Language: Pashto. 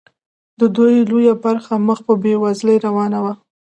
د دوی لویه برخه مخ په بیوزلۍ روانه وه.